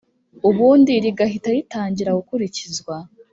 ubundi rigahita ritangira gukurikizwa